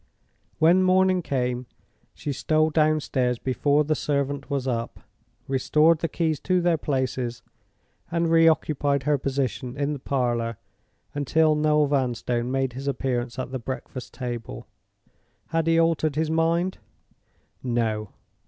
When morning came, she stole downstairs before the servant was up, restored the keys to their places, and re occupied her position in the parlor until Noel Vanstone made his appearance at the breakfast table. Had he altered his mind? No.